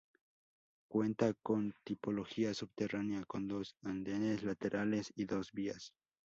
Cuenta con tipología subterránea con dos andenes laterales y dos vías.